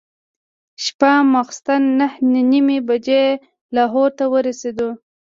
شپه ماخوستن نهه نیمې بجې لاهور ته ورسېدو.